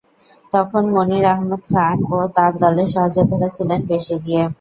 তখন মনির আহমেদ খান ও তার দলের সহযোদ্ধারা ছিলেন বেশ এগিয়ে।